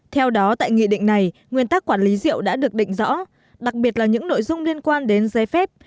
theo đó tại nghị định này nguyên tắc quản lý rượu đã được định rõ đặc biệt là những nội dung liên quan đến giấy phép